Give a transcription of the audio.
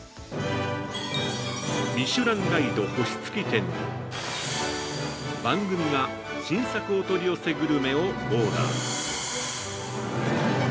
◆ミシュランガイド星付き店に番組が新作お取り寄せグルメをオーダー。